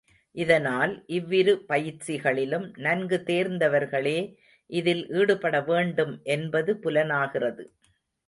இதனால் இவ்விரு பயிற்சிகளிலும் நன்கு தேர்ந்தவர்களே இதில் ஈடுபட வேண்டும் என்பது புலனாகிறது.